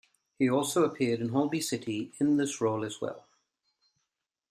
He also appeared in "Holby City" in this role as well.